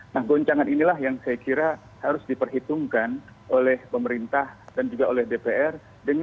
nah goncangan inilah yang saya kira harus diperhitungkan oleh pemerintah dan juga oleh dpr